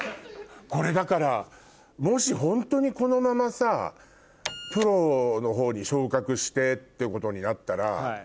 これだからもしホントにこのままさプロの方に昇格してってことになったら。